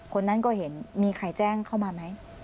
คนนั้นก็เห็นมีใครแจ้งเข้ามาไหม